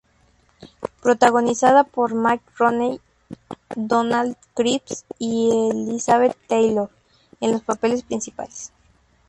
Protagonizada por Mickey Rooney, Donald Crisp y Elizabeth Taylor en los papeles principales.